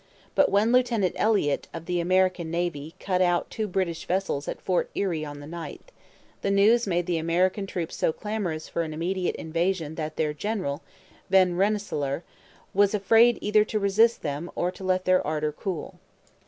But when Lieutenant Elliott, of the American Navy, cut out two British vessels at Fort Erie on the 9th, the news made the American troops so clamorous for an immediate invasion that their general, Van Rensselaer, was afraid either to resist them or to let their ardour cool.